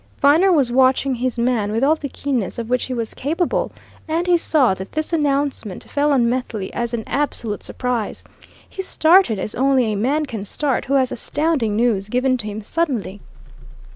Viner was watching his man with all the keenness of which he was capable, and he saw that this announcement fell on Methley as an absolute surprise. He started as only a man can start who has astounding news given to him suddenly.